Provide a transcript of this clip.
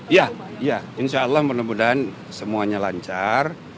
ya ya insya allah mudah mudahan semuanya lancar